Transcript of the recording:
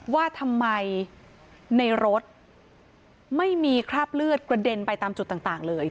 ว่าทำไมในรถไม่มีคราบเลือดกระเด็นไปตามจุดต่างเลย